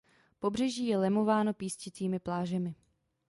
Pobřeží je lemováno písečnými plážemi.